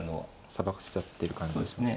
さばかせちゃってる感じですね。